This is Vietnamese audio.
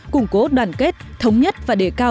củng cố đoàn kết thống nhất và đề cao